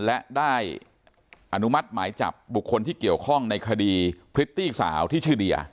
และได้อนุมัติหมายจับบุคคลที่เกี่ยวข้องในคดีพริตตี้สาวที่ชื่อเดีย